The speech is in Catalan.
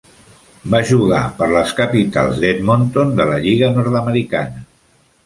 Va jugar per les capitals d'Edmonton de la Lliga nord-americana.